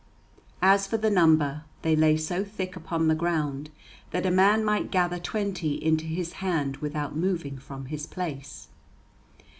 As for the number, they lay so thick upon the ground that a man might gather twenty into his hand without moving from his place.